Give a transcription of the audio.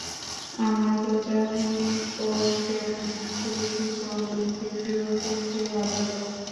আমার প্রজা হয়ে ও যেমন ইচ্ছে বিক্রি করুক, দেখি ওকে কে বাধা দেয়।